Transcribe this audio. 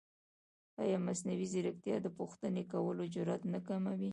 ایا مصنوعي ځیرکتیا د پوښتنې کولو جرئت نه کموي؟